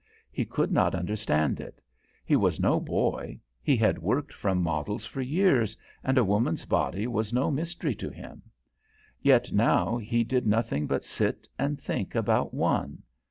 He could not understand it; he was no boy, he had worked from models for years, and a woman's body was no mystery to him. Yet now he did nothing but sit and think about one.